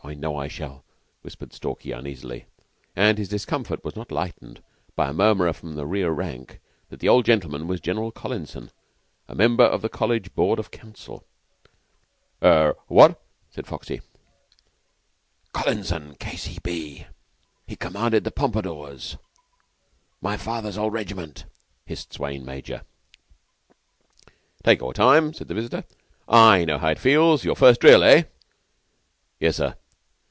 I know I shall," whispered Stalky uneasily; and his discomfort was not lightened by a murmur from the rear rank that the old gentleman was General Collinson, a member of the College Board of Council. "Eh what?" said Foxy. "Collinson, K.C.B. He commanded the Pompadours my father's old regiment," hissed Swayne major. "Take your time," said the visitor. "I know how it feels. Your first drill eh?" "Yes, sir."